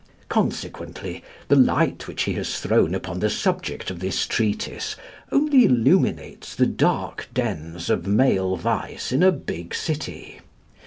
Consequently, the light which he has thrown upon the subject of this treatise only illuminates the dark dens of male vice in a big city.